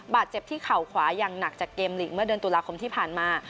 บาดเจ็บที่เข่าขวาอย่างหนักจากเกมหลีกเมื่อเดือนตุลาคมที่ผ่านมา